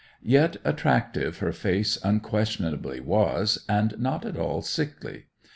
Yet attractive her face unquestionably was, and not at all sickly.